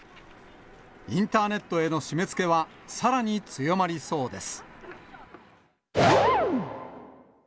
インターネットへの締めつけは、さらに強まりそうです。